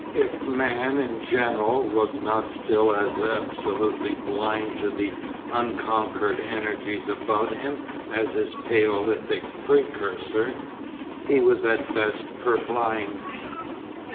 If man in general was not still as absolutely blind to the unconquered energies about him as his paleolithic precursor, he was at best purblind.